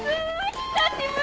久しぶり！